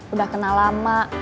udah kenal lama